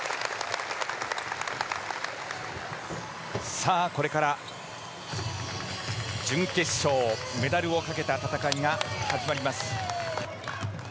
さあ、これから準決勝メダルをかけた戦いが始まります。